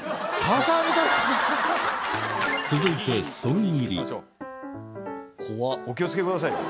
続いてお気を付けくださいね。